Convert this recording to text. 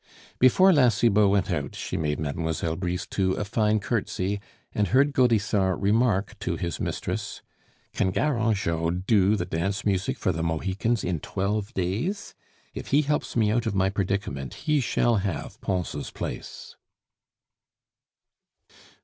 Before La Cibot went out, she made Mlle. Brisetout a fine courtesy, and heard Gaudissart remark to his mistress: "Can Garangeot do the dance music for the Mohicans in twelve days? If he helps me out of my predicament, he shall have Pons' place."